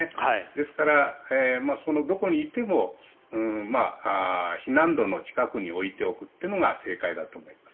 ですから、どこにいても避難路の近くに置いておくのが正解だと思います。